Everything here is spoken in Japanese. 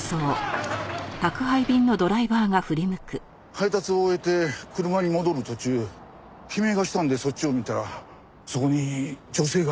配達を終えて車に戻る途中悲鳴がしたんでそっちを見たらそこに女性が。